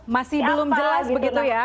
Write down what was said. masih belum jelas begitu ya